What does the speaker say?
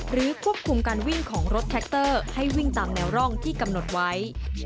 ควบคุมการวิ่งของรถแท็กเตอร์ให้วิ่งตามแนวร่องที่กำหนดไว้